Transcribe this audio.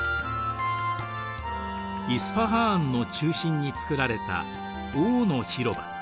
イスファハーンの中心に造られた王の広場。